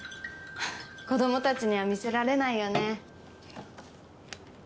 子供たちには見せられないよね。